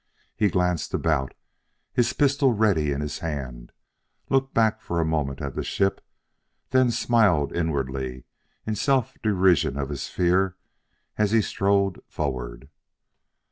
He glanced about, his pistol ready in his hand, looked back for a moment at the ship, then smiled inwardly in self derision of his fear as he strode forward.